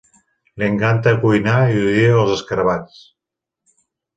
Li encanta cuinar i odia els escarabats.